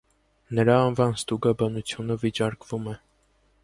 Նրա անվան ստուգաբանությունը վիճարկվում է։